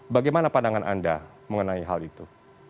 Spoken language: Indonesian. bagaimana pandangan anda mengenai hal itu